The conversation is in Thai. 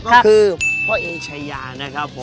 ก็คือพ่อเอชายานะครับผม